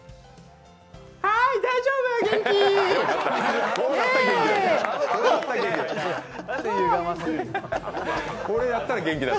はい、大丈夫でし！